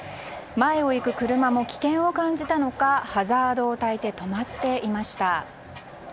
前を行く車も危険を感じたのかハザードをたいて止まっていました。